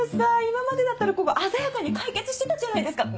今までだったら鮮やかに解決してたじゃないですか。